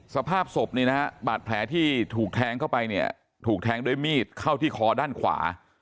สภาพศพนี่นะฮะบาดแผลที่ถูกแทงเข้าไปเนี่ยถูกแทงด้วยมีดเข้าที่คอด้านขวา